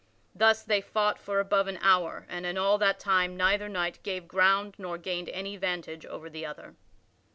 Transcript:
Thus they fought for above an hour and in all that time neither knight gave ground or gained any vantage over the other.